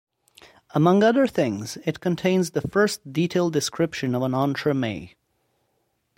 Among other things, it contains the first detailed description of an entremet.